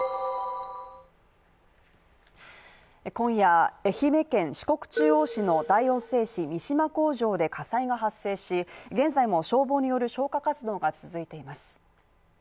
今夜、愛媛県四国中央市の大王製紙三島工場で火災が発生し現在も消防による消火活動が続いています。